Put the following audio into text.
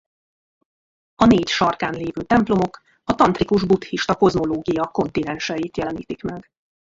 A négy sarkán lévő templomok a tantrikus buddhista kozmológia kontinenseit jelenítik meg.